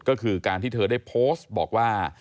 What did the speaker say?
ก็คือการที่เธอได้โพสต์บอกว่า